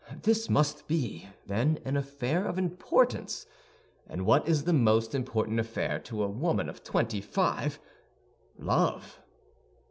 This must be, then, an affair of importance; and what is the most important affair to a woman of twenty five! Love.